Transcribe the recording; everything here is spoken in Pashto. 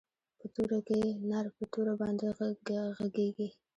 په توره کښې نر په توره باندې ږغېږي.